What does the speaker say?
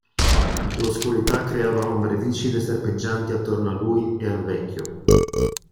L'oscurità creava ombre viscide e serpeggianti attorno a lui e al vecchio.